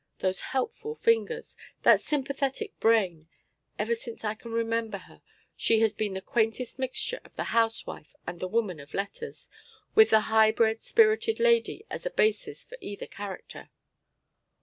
Those helpful fingers! That sympathetic brain! Ever since I can remember her she has been the quaintest mixture of the housewife and the woman of letters, with the highbred spirited lady as a basis for either character.